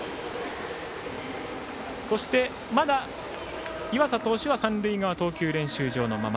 そして、まだ岩佐投手は三塁側の投球練習場のまま。